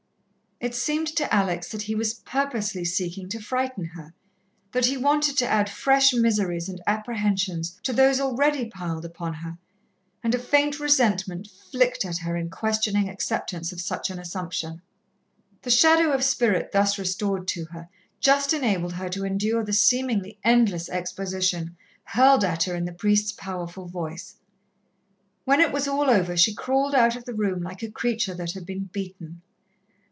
It seemed to Alex that he was purposely seeking to frighten her that he wanted to add fresh miseries and apprehensions to those already piled upon her, and a faint resentment flicked at her in questioning acceptance of such an assumption. The shadow of spirit thus restored to her, just enabled her to endure the seemingly endless exposition hurled at her in the priest's powerful voice. When it was all over, she crawled out of the room like a creature that had been beaten.